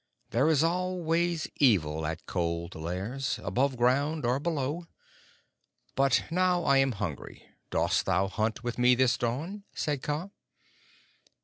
There is always evil at Cold Lairs above ground or below. But now I am hungry. Dost thou hunt with me this dawn?" said Kaa.